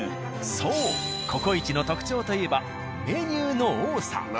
そう「ココイチ」の特徴といえばメニューの多さ。